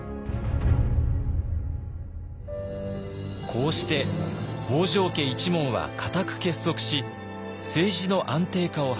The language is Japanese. こうして北条家一門は固く結束し政治の安定化を図りました。